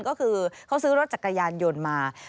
ก็คือเขาซื้อรถจักรยานยนต์มา